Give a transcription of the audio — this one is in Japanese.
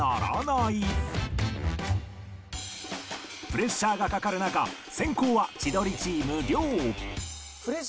プレッシャーがかかる中先攻は千鳥チーム亮